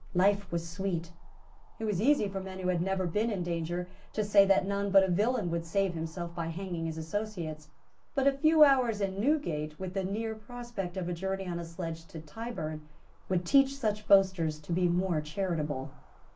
Life was sweet. It was easy for men who had never been in danger to say that none but a villain would save himself by hanging his associates; but a few hours in Newgate, with the near prospect of a journey on a sledge to Tyburn, would teach such boasters to be more charitable.